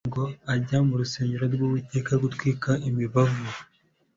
ngo ajye mu Rusengero rw'Uwiteka gutwika imibavu.